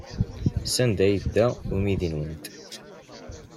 Sanda ay yedda umidi-nwent?